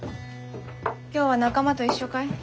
今日は仲間と一緒かい？